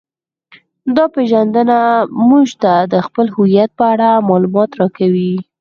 دا پیژندنه موږ ته د خپل هویت په اړه معلومات راکوي